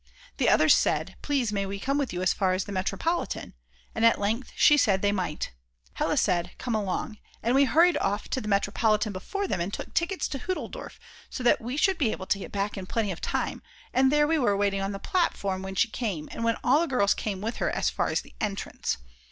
The others said: "Please may we come with you as far as the metropolitan?" and at length she said they might. But Hella said, "Come along," and we hurried off to the metropolitan before them and took tickets to Hutteldorf so that we should be able to get back in plenty of time, and there we were waiting on the platform when she came and when all the girls came with her as far as the entrance.